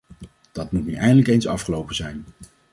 Dat moet nu eindelijk eens afgelopen zijn!